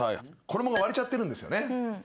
衣が割れちゃってるんですよね。